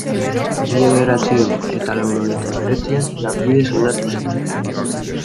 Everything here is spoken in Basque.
Mila bederatziehun eta laurogeita hemeretzian, lanbidez aldatu zen.